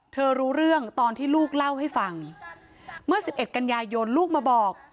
รู้เรื่องตอนที่ลูกเล่าให้ฟังเมื่อ๑๑กันยายนลูกมาบอก